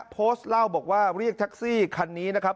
โพสต์เล่าบอกว่าเรียกแท็กซี่คันนี้นะครับ